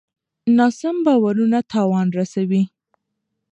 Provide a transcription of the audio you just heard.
ناسم باورونه تاوان رسوي.